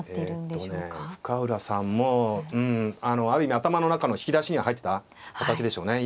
えとね深浦さんもうんある意味頭の中の引き出しには入ってた形でしょうね。